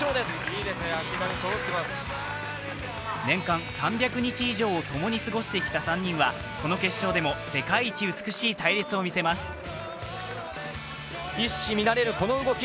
年間３００日以上を共に過ごしてきた３人はこの決勝でも世界一美しい隊列を見せます。